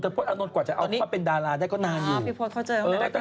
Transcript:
แต่โพธอานนท์กว่าจะเอาเป็นดาราได้ก็นานอยู่